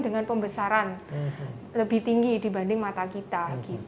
dengan pembesaran lebih tinggi dibanding mata kita